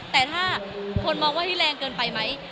แต่ถ้าคนมองว่าที่แรงเกินไปไหม